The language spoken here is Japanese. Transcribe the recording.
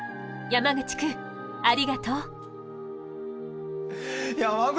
山口くんありがとう！